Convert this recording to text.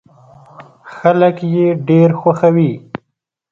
خلک يې ډېر خوښوي.